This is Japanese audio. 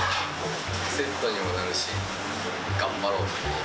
リセットにもなるし、頑張ろうって。